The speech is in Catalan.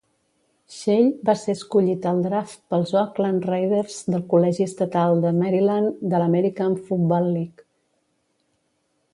Shell va ser escollit al draft pels Oakland Raiders del Col·legi estatal de Maryland, de l'American Football League.